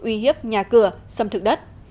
uy hiếp nhà cửa xâm thực đất